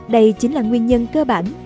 đây chính là nguyên nhân cơ bản